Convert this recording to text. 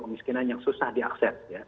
kemiskinan yang susah diakses